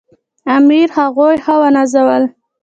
امیر هغوی ښه ونازول.